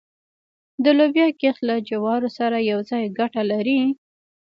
د لوبیا کښت له جوارو سره یوځای ګټه لري؟